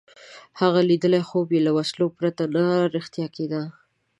هغه لیدلی خوب یې له وسلو پرته نه رښتیا کېده.